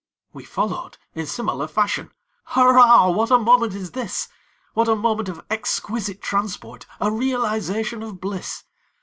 We followed, in similar fashion; Hurrah, what a moment is this! What a moment of exquisite transport! A realization of bliss!